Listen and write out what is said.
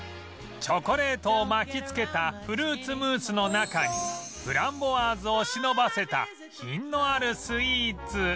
チョコレートを巻きつけたフルーツムースの中にフランボワーズを忍ばせた品のあるスイーツ